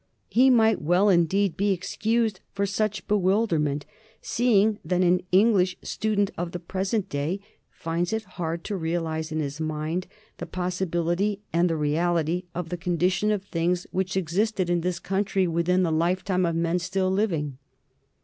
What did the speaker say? He might well indeed be excused for such bewilderment, seeing that an English student of the present day finds it hard to realize in his mind the possibility and the reality of the condition of things which existed in this country within the lifetime of men still living.